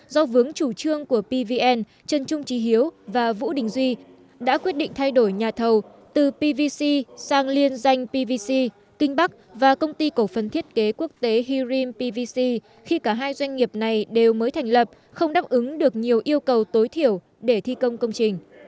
do vướng chủ trương của pvn trần trung trí hiếu và vũ đình duy đã quyết định thay đổi nhà thầu từ pvc sang liên danh pvc kinh bắc và công ty cổ phần thiết kế quốc tế hirim pvc khi cả hai doanh nghiệp này đều mới thành lập không đáp ứng được nhiều yêu cầu tối thiểu để thi công công trình